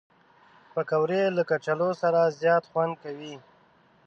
پکورې له کچالو سره زیات خوند کوي